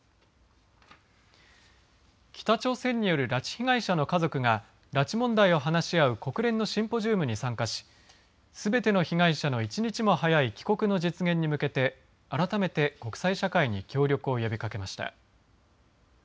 北朝鮮による拉致被害者の家族が拉致問題を話し合う国連のシンポジウムに参加しすべての被害者の１日も早い帰国の実現に向けて改めて、国際社会に協力を呼びかけました。